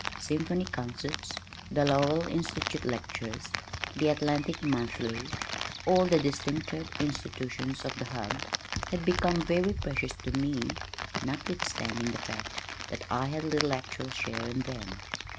Symphony concerts, the Lowell Institute Lectures, the Atlantic Monthly (all the distinctive institutions of the Hub) had become very precious to me notwithstanding the fact that I had little actual share in them.